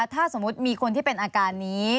ถ้าสมมุติมีคนที่เป็นอาการนี้